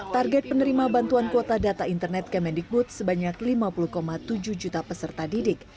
target penerima bantuan kuota data internet kemendikbud sebanyak lima puluh tujuh juta peserta didik